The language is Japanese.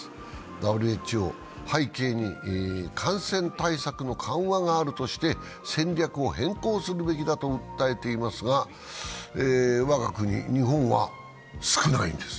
ＷＨＯ、背景に感染対策の緩和があるとして戦略を変更するべきだと訴えていますが我が国・日本は少ないんです。